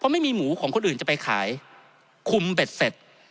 ไม่มีหมูของคนอื่นจะไปขายคุมเบ็ดเสร็จ